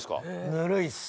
ぬるいっす。